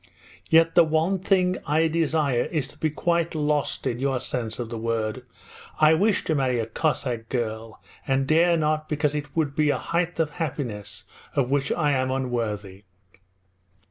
Yet the one thing I desire is to be quite "lost" in your sense of the word. I wish to marry a Cossack girl, and dare not because it would be a height of happiness of which I am unworthy.